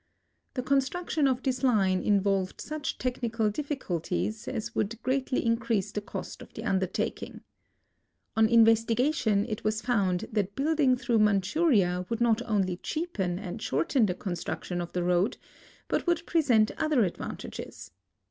The construction of this line involved such technical ditliculties as would greatly increa.se the ost of I'.'i 122 THE SIBERIAN TRANSCONTINENTAL RAILROAD the undertaking. On investigation it was found that building through Manchuria would not only cheapen and shorten the construction of the road, but would present other advantages.